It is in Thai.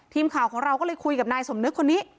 ทีมข่าวของเราก็เลยคุยกับนายสมนึกคนนี้